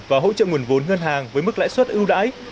và hỗ trợ nguồn vốn ngân hàng với mức lãi suất ưu đãi